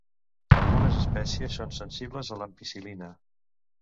Algunes espècies són sensibles a l'ampicil·lina.